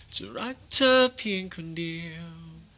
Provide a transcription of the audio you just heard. จะรักเธอเพียงคนเดียว